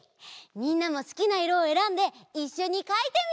みんなもすきないろをえらんでいっしょにかいてみよう！